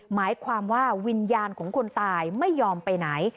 หมายความว่าวิญญาณของคนตายไม่ยอมไปไหน